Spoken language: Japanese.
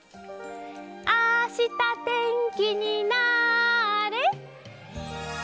「あしたてんきになれ！」